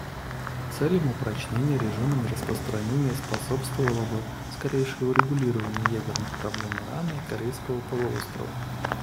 Целям упрочения режима нераспространения способствовало бы скорейшее урегулирование ядерных проблем Ирана и Корейского полуострова.